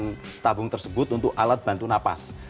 dia bisa memanfaatkan tabung tersebut untuk alat bantu napas